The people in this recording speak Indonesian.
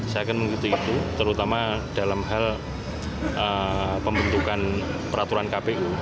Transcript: saya akan mengikuti itu terutama dalam hal pembentukan peraturan kpu